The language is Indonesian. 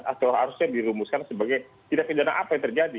atau harusnya dirumuskan sebagai tidak kejadian apa yang terjadi